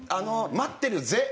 「待ってるぜ！！」